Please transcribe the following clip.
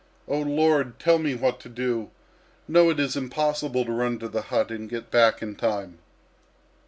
"Oh, Lord! Tell me what to do!... No, it is impossible to run to the hut and get back in time."